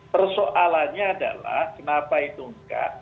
persoalannya adalah kenapa itu enggak